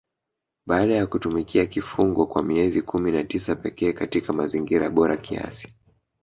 Baada ya kutumikia kifungo kwa miezi kumi na tisa pekee katika mazingira bora kiasi